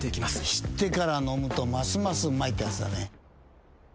知ってから飲むとますますうまいってやつだね。